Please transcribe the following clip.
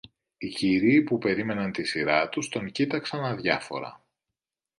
Οι κύριοι που περίμεναν τη σειρά τους τον κοίταξαν αδιάφορα